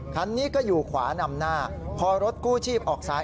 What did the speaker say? คันนี้ก็อยู่ขวานำหน้าพอรถกู้ชีพออกซ้าย